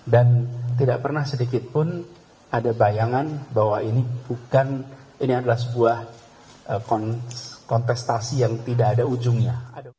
dan tidak pernah sedikitpun ada bayangan bahwa ini bukan ini adalah sebuah kontestasi yang tidak ada ujungnya